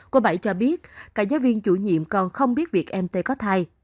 cô bảy cho biết cả giáo viên chủ nhiệm còn không biết việc em tê có thai